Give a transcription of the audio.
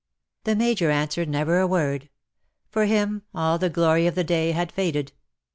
'' The Major answered never a word. For him all the glory of the day had faded.